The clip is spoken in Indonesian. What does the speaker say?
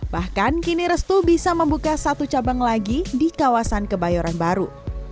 bahkan kini restu bisa membuka satu cabang lagi di kawasan kebayoran baru